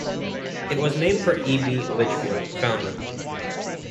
It was named for E. B. Litchfield, a founder.